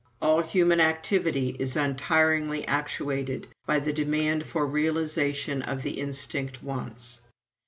"All human activity is untiringly actuated by the demand for realization of the instinct wants.